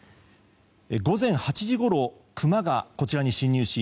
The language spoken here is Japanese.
午前８時ごろクマがこちらに侵入し